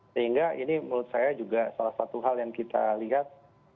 sehingga ini menurut saya juga salah satu hal yang kita lihat